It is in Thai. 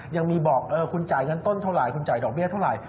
ยังมีบอกคุณจ่ายเงินต้นเท่าไหร่คุณจ่ายดอกเบี้ยเท่าไหร่